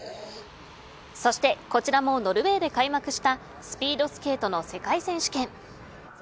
そしてこちらもノルウェーで開幕したスピードスケートの世界選手権。